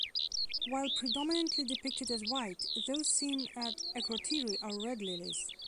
While predominantly depicted as white, those seen at Akrotiri are red lilies.